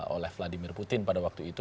oleh vladimir putin pada waktu itu